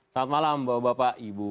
selamat malam bapak ibu